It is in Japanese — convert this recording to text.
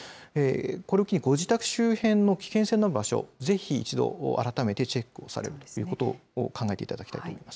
これを機に、ご自宅周辺の危険性のある場所、ぜひ一度、改めてチェックをされるということを考えていただきたいと思います。